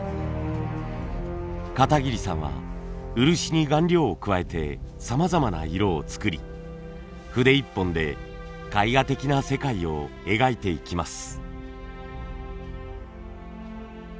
片桐さんは漆に顔料を加えてさまざまな色を作り筆一本で絵画的な世界を描いていきます。